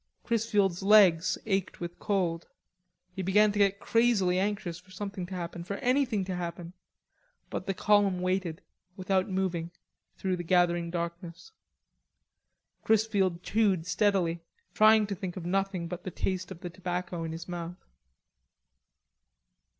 Chrisfield's legs ached with cold. He began to get crazily anxious for something to happen, for something to happen, but the column waited, without moving, through the gathering darkness. Chrisfield chewed steadily, trying to think of nothing but the taste of the tobacco in his mouth.